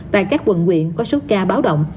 tại các quận quyện có số ca báo động